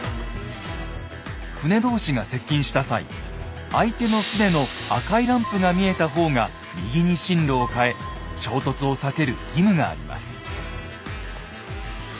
船同士が接近した際相手の船の赤いランプが見えた方が右に進路を変え衝突を避ける義務があります。